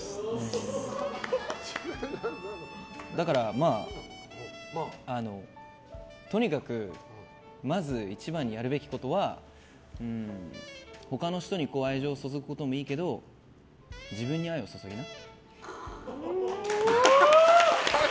だから、とにかくまず一番にやるべきことは他の人に愛情を注ぐこともいいけど自分に愛を注ぎな。